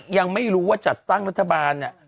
ยังไม่รู้ว่าจัดตั้งรัฐบาลเนี่ย